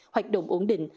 hoạt động ổn định